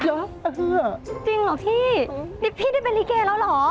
จริงเหรอพี่นี่พี่ได้เป็นลิเกแล้วเหรอ